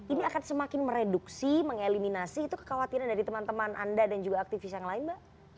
ini akan semakin mereduksi mengeliminasi itu kekhawatiran dari teman teman anda dan juga aktivis yang lain mbak